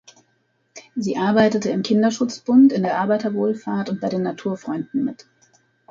Sie arbeitete im Kinderschutzbund, in der Arbeiterwohlfahrt und bei den Naturfreunden mit.